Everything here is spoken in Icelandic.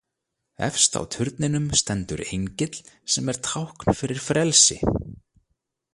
Efst á turninum stendur engill sem er tákn fyrir frelsi.